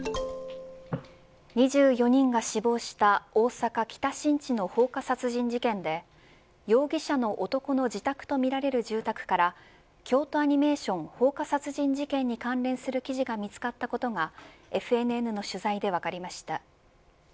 ２４人が死亡した大阪北新地の放火殺人事件で容疑者の男の自宅とみられる住宅から京都アニメーション放火殺人事件に関連する記事が見つかったことがＦＮＮの取材で分かりました。